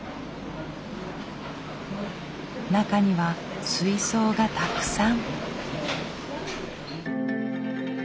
中には水槽がたくさん。